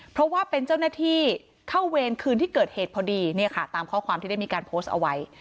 เพราะว่าเป็นเจ้าหน้าที่เข้าเวรคืนที่เกิดเหตุพอดีเนี่ยค่ะตามข้อความที่ได้มีการโพสต์เอาไว้